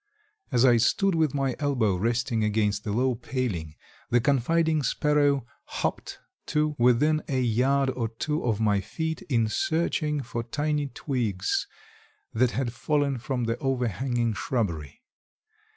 As I stood with my elbow resting against the low paling the confiding sparrow hopped to within a yard or two of my feet in searching for tiny twigs that had fallen from the overhanging shrubbery.